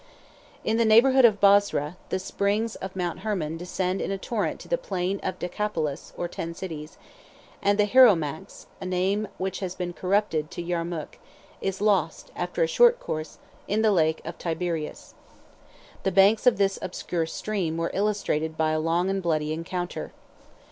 In the neighborhood of Bosra, the springs of Mount Hermon descend in a torrent to the plain of Decapolis, or ten cities; and the Hieromax, a name which has been corrupted to Yermuk, is lost, after a short course, in the Lake of Tiberias. 74 The banks of this obscure stream were illustrated by a long and bloody encounter.